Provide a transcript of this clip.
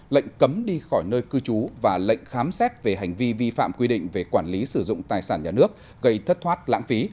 lệnh cấm đi khỏi nơi cư trú và lệnh khám xét về hành vi vi phạm quy định về quản lý sử dụng tài sản nhà nước gây thất thoát lãng phí